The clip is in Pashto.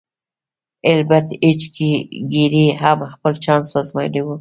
ایلبرټ ایچ ګیري هم خپل چانس ازمایلی و